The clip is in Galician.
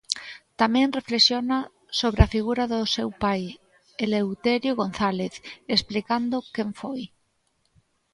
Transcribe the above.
Tamén reflexiona sobre a figura do seu pai, Eleuterio González, explicando quen foi.